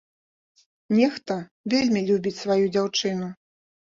Нехта вельмі любіць сваю дзяўчыну.